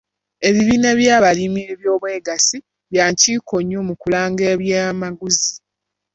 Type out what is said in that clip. Ebibiina by'abalimi eby'obwegassi bya nkiko nnyo mu kulanga eby'amaguzi.